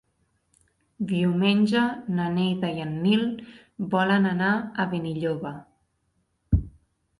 Diumenge na Neida i en Nil volen anar a Benilloba.